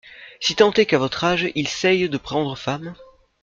Si tant est qu'à votre âge il seye de prendre femme.